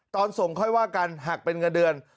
ตอนส่งค่อยว่ากันหักเป็นเงินเดือน